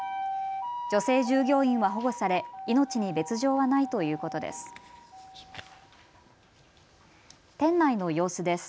女性従業員は保護され命に別状はないということです。